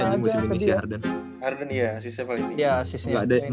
tapi asisnya paling tinggi aja musim ini si harden